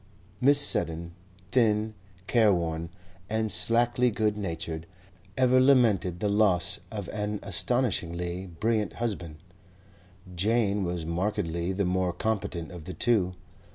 Mrs. Seddon, thin, careworn and slackly good natured, ever lamented the loss of an astonishingly brilliant husband; Jane was markedly the more competent of the two.